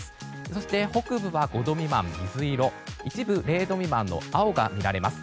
そして北部は５度未満の水色一部、０度未満の青が見られます。